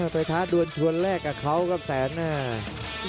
ท้าดวนชวนแรกกับเขาครับแสนหน้า